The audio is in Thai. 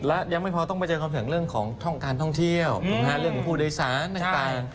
และยังไม่พอต้องไปเจอความแข็งเรื่องของช่องการท่องเที่ยวเรื่องของผู้โดยสารต่าง